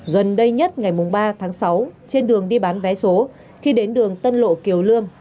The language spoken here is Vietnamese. gần đây nhất ngày ba tháng sáu trên đường đi bán vé số khi đến đường tân lộ kiều lương